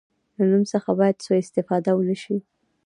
له نوم څخه باید سوء استفاده ونه شي.